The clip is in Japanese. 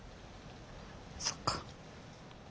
そっか。